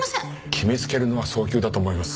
決めつけるのは早急だと思います。